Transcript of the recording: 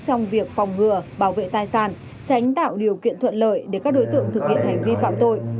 trong việc phòng ngừa bảo vệ tài sản tránh tạo điều kiện thuận lợi để các đối tượng thực hiện hành vi phạm tội